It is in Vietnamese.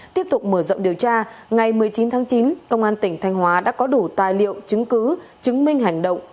tiếp tục mở rộng điều tra ngày một mươi chín tháng chín công an tỉnh thanh hóa đã có đủ tài liệu chứng cứ chứng minh hành động